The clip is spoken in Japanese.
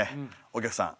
お客さん